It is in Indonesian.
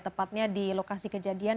tepatnya di lokasi kejadian